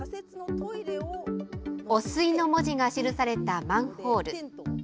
汚水の文字が記されたマンホール。